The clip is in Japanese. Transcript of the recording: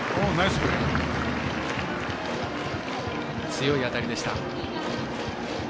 強い当たりでした。